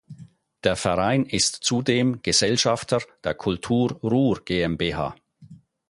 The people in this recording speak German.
Der Verein ist zudem Gesellschafter der Kultur Ruhr GmbH.